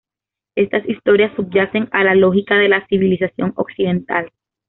Estas historias subyacen a la lógica de la civilización occidental.